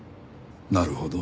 なるほど。